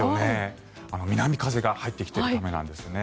南風が入ってきているためなんですね。